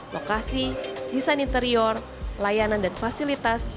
lokasi desain interior layanan dan fasilitas